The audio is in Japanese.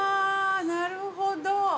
なるほど。